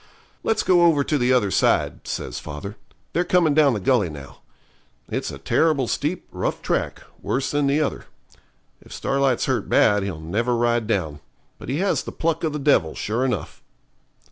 'Let's go over to the other side,' says father; 'they're coming down the gully now. It's a terrible steep, rough track, worse than the other. If Starlight's hurt bad he'll never ride down. But he has the pluck of the devil, sure enough.'